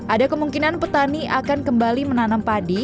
ada kemungkinan petani akan kembali menanam padi